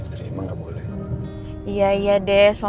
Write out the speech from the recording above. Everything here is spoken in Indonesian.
ya biar kelihatan romantis aja sebagai pasangan suami ya